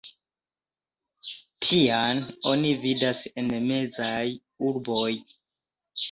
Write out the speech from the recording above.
Tiajn oni vidas en mezaj urboj.